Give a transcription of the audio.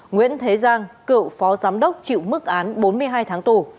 nguyễn thế giang cựu phó giám đốc chịu mức án bốn mươi hai tháng tù